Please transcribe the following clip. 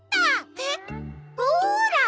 えっ？ほら！